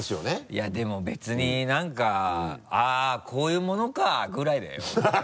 いやでも別に何か「あっこういうものか」ぐらいだよ？